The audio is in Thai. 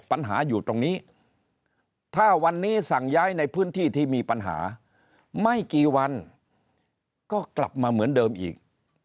ปัญหาอยู่ตรงนี้ถ้าวันนี้สั่งย้ายในพื้นที่ที่มีปัญหาไม่กี่วันก็กลับมาเหมือนเดิมอีก